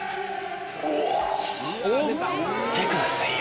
見てくださいよ。